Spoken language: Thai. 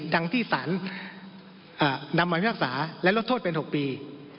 ดังที่สารนำมาพิพากษาและลดโทษเป็น๖ปี